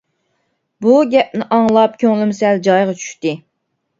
بۇ گەپنى ئاڭلاپ كۆڭلۈم سەل جايىغا چۈشتى.